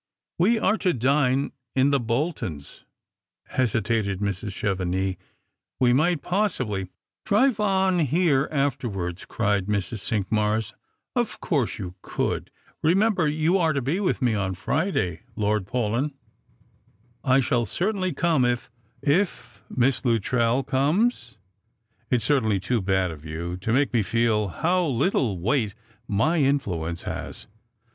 " We are to dine in the Boltons," hesitated Mrs. Chevenix ;" we might possibly "" Drive on here afterwards," cried Mrs. Cinqmars ;" of course you could. Remember you are to be with me on Friday, Lord Paulyn." " I shall certainly come, if "" If Miss Luttrell comes. It's really too bad of you to make me feel how little weight my influence has.